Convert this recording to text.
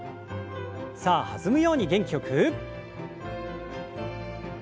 さあ弾むように元気よく。